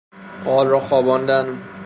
قال را خواباندن